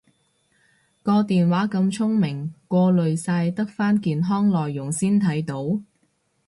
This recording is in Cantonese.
個電話咁聰明過濾晒得返健康內容先睇到？